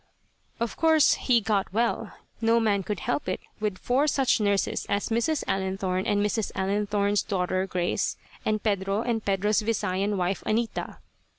Of course he got well. No man could help it, with four such nurses as Mrs. Allenthorne and Mrs. Allenthorne's daughter Grace, and Pedro and Pedro's Visayan wife Anita.